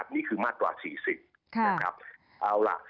นี่คือมาตรา๔๐